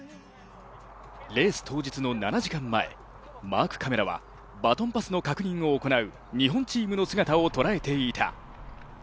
レース当日の７時間前、マークカメラはバトンパスの確認を行う日本チームの姿を捉えていた。